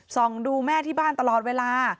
ส่องดูแม่ที่บ้านตลอดเวลา